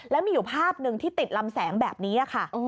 แล้วมีอยู่ภาพหนึ่งที่ติดลำแสงแบบนี้ค่ะ